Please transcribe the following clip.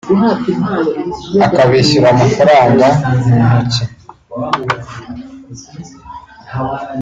akabishyura amafaranga mu ntoki